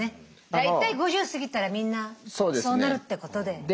大体５０過ぎたらみんなそうなるってことで。